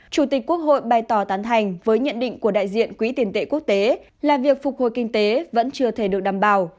chủ tịch quốc hội bày tỏ tán thành với nhận định của đại diện quỹ tiền tệ quốc tế là việc phục hồi kinh tế vẫn chưa thể được đảm bảo